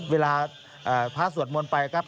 เวลาพระพระบาทมนตร์ไปครับ